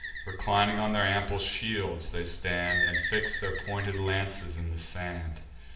Reclining on their ample shields, they stand, And fix their pointed lances in the sand.